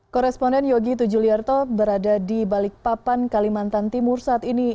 koresponden yogi tujuliarto berada di balikpapan kalimantan timur saat ini